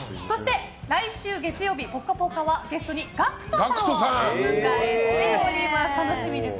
来週月曜日の「ぽかぽか」はゲストにＧＡＣＫＴさんをお迎えしております。